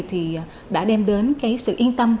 thì đã đem đến cái sự yên tâm